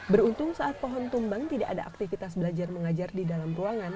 beruntung saat pohon tumbang tidak ada aktivitas belajar mengajar di dalam ruangan